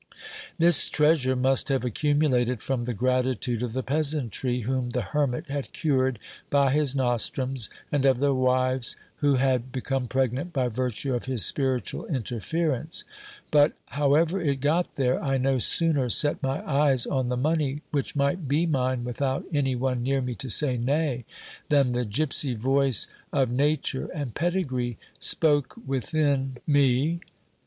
This treasure must have accumulated from the gratitude of the peasantry, whom the hermit had cured by his nostrums, and of their wives, who had be come pregnant by virtue of his spiritual interference. But however it got there, I no sooner set my eyes on the money, which might be mine without any one near me to say nay, than the gipsy voice of nature and pedigree spoke within The Boy counting the Stolen Money.— p. 366. SCIPIO'S STORY. 367 me.